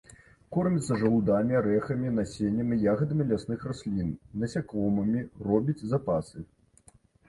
Корміцца жалудамі, арэхамі, насеннем і ягадамі лясных раслін, насякомымі, робіць запасы.